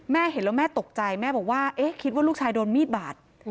เห็นแล้วแม่ตกใจแม่บอกว่าเอ๊ะคิดว่าลูกชายโดนมีดบาด